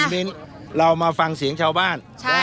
อาธิบยศคุณมิ้นท์เรามาฟังเสียงชาวบ้าน